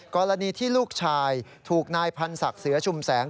กรณีที่ลูกชายถูกนายพันธ์ศักดิ์เสือชุมแสง